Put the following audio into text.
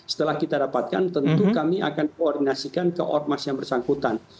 setelah kita dapatkan tentu kami akan koordinasikan ke ormas yang bersangkutan